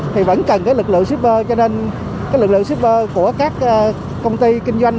thì vẫn cần cái lực lượng shipper cho nên cái lực lượng shipper của các công ty kinh doanh